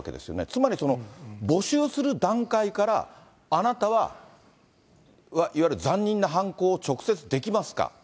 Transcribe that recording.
つまり、募集する段階から、あなたは、いわゆる残忍な犯行を直接できますか？